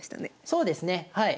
そうですねはい。